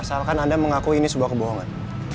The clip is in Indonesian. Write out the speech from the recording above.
asalkan anda mengaku ini sebuah kebohongan